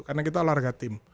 karena kita olahraga tim